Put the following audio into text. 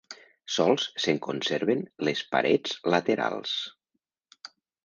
Sols se'n conserven les parets laterals.